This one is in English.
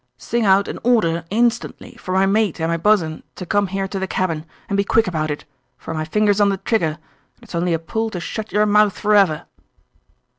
Sing out an order instantly for my mate and my bos'n to come here to the cabin, and be quick about it, for my finger's on the trigger, and it's only a pull to shut your mouth forever."